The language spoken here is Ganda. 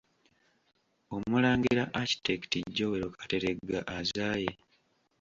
Omulangira Architect Joel Kateregga azaaye.